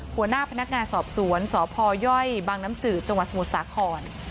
หัวหน้าพนักงานสอบสวนสพยบางน้ำจืดจังหวัดสมุทรสาคร